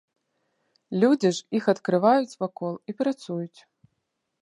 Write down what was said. Людзі ж іх адкрываюць вакол і працуюць.